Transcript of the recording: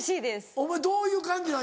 お前どういう感じなの？